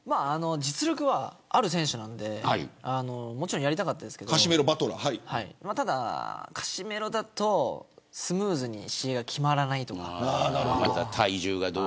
実力はある選手なのでもちろんやりたかったですがカシメロだとスムーズに試合が決まらないと思います。